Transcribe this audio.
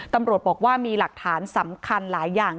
ตำรวจบอกว่ามีหลักฐานสำคัญหลายอย่าง